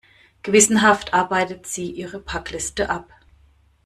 Gewissenhaft arbeitet sie ihre Packliste ab.